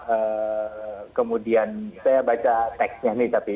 eee kemudian saya baca teksnya nih tapi